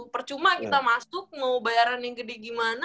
percuma kita masuk mau bayaran yang gede gimana